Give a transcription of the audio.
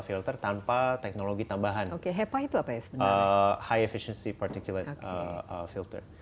filter tanpa teknologi tambahan oke hepa itu apa ya high efisiensi particulate filter